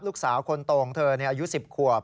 ลูกสาวคนโตของเธออายุ๑๐ขวบ